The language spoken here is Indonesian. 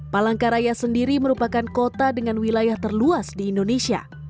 palangkaraya sendiri merupakan kota dengan wilayah terluas di indonesia